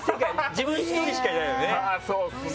自分１人しかいないの。